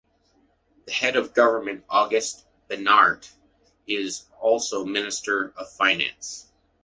The head of government Auguste Beernaert is also Minister of Finance.